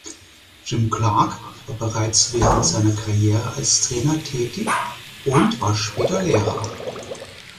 Jim Clark war bereits während seiner Karriere als Trainer tätig und war später Lehrer.